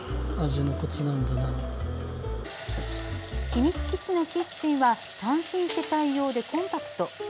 秘密基地のキッチンは単身世帯用でコンパクト。